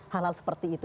hal hal seperti itu